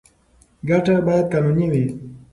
ګټه باید قانوني وي.